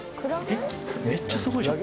めっちゃすごいじゃん。